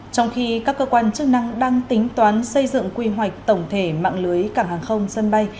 trong khi các cơ quan chức năng đang tính toán xây dựng quy hoạch tổng thể mạng lưới cảng hàng không sân bay